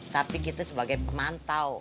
tapi kita sebagai pemantau